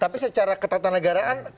tapi secara ketatanegaraan